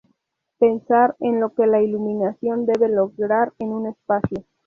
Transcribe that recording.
Pensar en lo que la iluminación debe lograr en un espacio.